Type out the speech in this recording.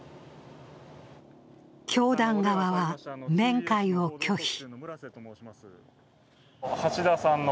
教団側は面会を拒否。